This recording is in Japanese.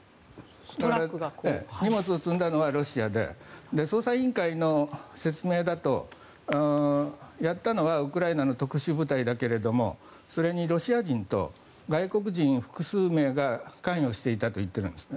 荷物を積んだのはロシアで捜査委員会の説明だとやったのはウクライナの特殊部隊だけどそれにロシア人と外国人複数名が関与していたといっていたんです。